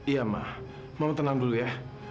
iya ma mau tenang dulu ya